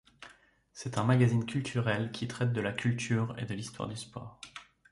C'est un magazine culturel qui traite de la culture et de l'histoire du sport.